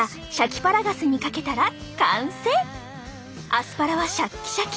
アスパラはシャッキシャキ！